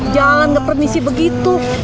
jalan gak permisi begitu